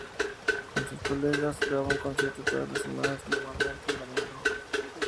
Con sus colegas, daba un concierto todas las semanas, normalmente en domingo.